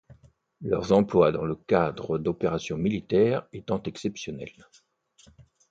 Leurs emplois dans le cadre d'opérations militaires étant exceptionnels.